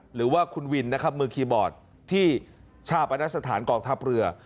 หรือว่าคุณวินนะครับมือคีย์บอร์ดที่ชาปนสถานกองทัพเรือ